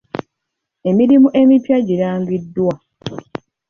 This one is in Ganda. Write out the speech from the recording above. Emirimu emipya girangiddwa.